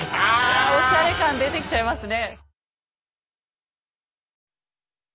おしゃれ感出てきちゃいますね。